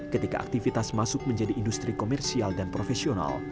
ketika aktivitas masuk menjadi industri komersial dan profesional